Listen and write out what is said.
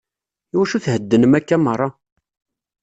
Iwacu theddnen akka merra?